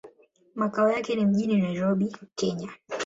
Makao yake ni mjini Nairobi, Kenya.